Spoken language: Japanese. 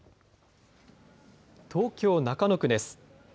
東京中野区です。